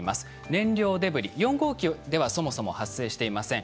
燃料デブリ、４号機ではそもそも発生していません。